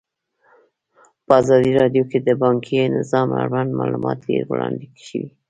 په ازادي راډیو کې د بانکي نظام اړوند معلومات ډېر وړاندې شوي.